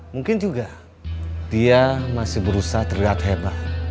mungkin juga dia masih berusaha terlihat hebat